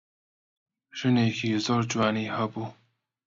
ژنێکی زۆر جوانی هەبوو.